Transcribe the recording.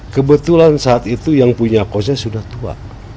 kebetulan saat itu yang punya kosnya sudah tua